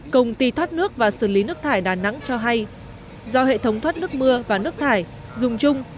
công ty thoát nước và xử lý nước thải đà nẵng cho hay do hệ thống thoát nước mưa và nước thải dùng chung